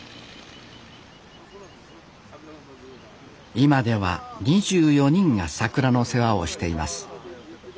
今では２４人が桜の世話をしています